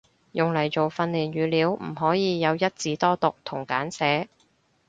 用嚟做訓練語料唔可以有一字多讀同簡寫